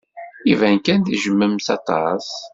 Iban kan tejjmem-tt aṭas.